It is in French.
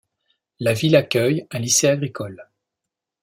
La ville accueille un lycée agricole.